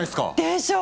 でしょ？